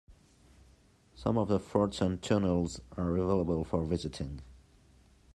Some of the forts and tunnels are available for visiting.